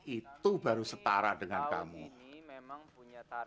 itu baru setara dengan kamu